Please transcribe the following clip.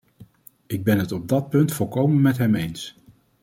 Ik ben het op dat punt volkomen met hem eens.